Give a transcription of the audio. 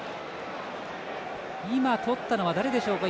今とったのは誰でしょうか。